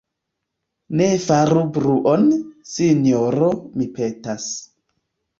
Ne faru bruon, sinjoro, mi petas.